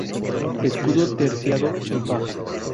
Escudo terciado en faja.